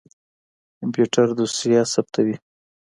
کمپيوټر دوسيه ثبتوي.